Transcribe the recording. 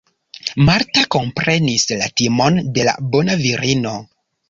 Marta komprenis la timon de la bona virino.